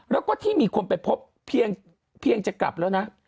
แล้วก็ที่มีคนไปพบเพียงจะกลับแล้วนะ